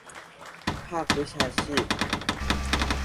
ภาควิชาชีพ